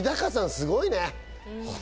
すごいね。